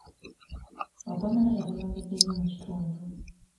Obwamalaaya bweyongedde mu kitundu.